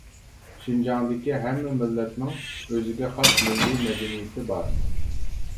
شىنجاڭدىكى ھەممە مىللەتنىڭ ئۆزىگە خاس مىللىي مەدەنىيىتى بار.